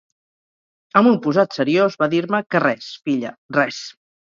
Amb un posat seriós va dir-me que res, filla, res.